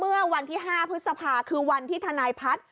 เมื่อวันที่๕พฤษภาคือวันที่ทนายพัฒน์